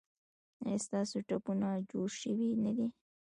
ایا ستاسو ټپونه جوړ شوي نه دي؟